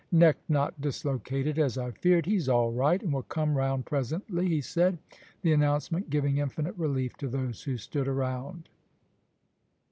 "Neck not dislocated, as I feared; he's all right, and will come round presently," he said, the announcement giving infinite relief to those who stood around.